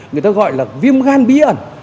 người ta gọi là viêm gan bí ẩn